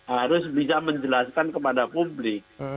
harus bisa menjelaskan kepada publik